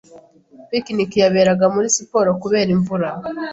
Picnic yaberaga muri siporo kubera imvura.